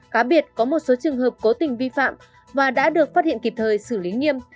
cá biệt có một số trường hợp cố tình vi phạm và đã được phát hiện kịp thời xử lý nghiêm